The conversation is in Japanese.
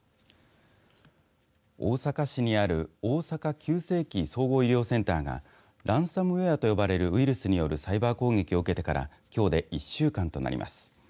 大阪市にある大阪急性期・総合医療センターがランサムウェアと呼ばれるウイルスによるサイバー攻撃を受けてからきょうで１週間となります。